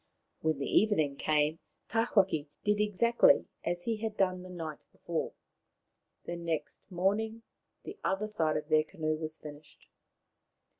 When the evening came Tawhaki did exactly as he had done the night before. The next morning the other side of their canoe was finished.